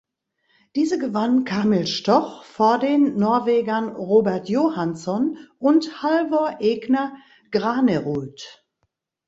Diese gewann Kamil Stoch vor den Norwegern Robert Johansson und Halvor Egner Granerud.